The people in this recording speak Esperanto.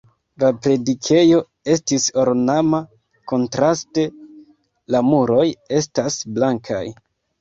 La predikejo estis ornama, kontraste la muroj estas blankaj.